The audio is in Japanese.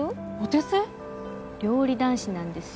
料理男子なんですよ。